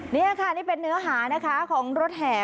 นี่ค่ะนี่เป็นเนื้อหานะคะของรถแห่